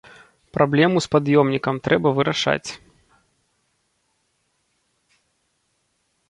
Праблему з пад'ёмнікам трэба вырашаць.